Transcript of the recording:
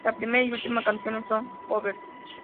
La primera y última canciones son covers.